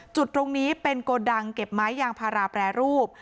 จุดตรงนี้เป็นโกดังเก็บไม้ยางพาราแปรรูป